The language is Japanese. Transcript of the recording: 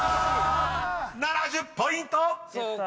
［７０ポイント！］